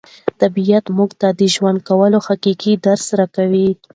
طبیعت موږ ته د ژوند کولو حقیقي درس راکوي.